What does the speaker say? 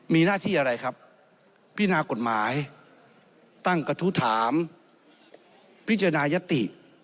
มีหน้าที่อะไรครับพินากฎหมายตั้งกระทู้ถามพิจารณายติ